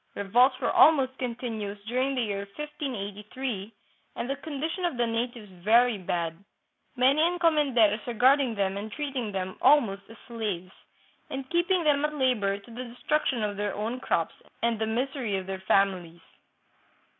Revolts were almost continuous during the year 1583, and the condition of the natives very bad, many encomenderos regarding them and treating them almost as slaves, and keeping them at labor to the destruction of their own crops and the misery of their families.